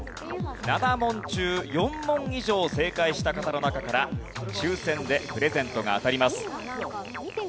７問中４問以上正解した方の中から抽選でプレゼントが当たります。